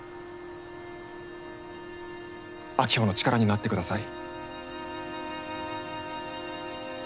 晶穂の力になってください。